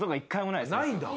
ないんだ。